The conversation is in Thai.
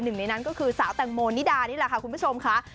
หนึ่งในนั้นก็คือสาวแตงโมนิดานี่แหละค่ะคุณผู้ชมค่ะ